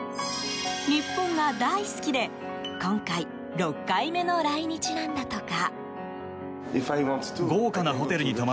日本が大好きで今回、６回目の来日なんだとか。